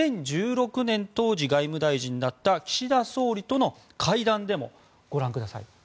２０１６年当時、外務大臣だった岸田総理との会談でもご覧ください。